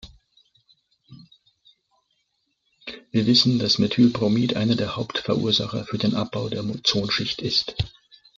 Wir wissen, dass Methylbromid einer der Hauptverursacher für den Abbau der Ozonschicht ist.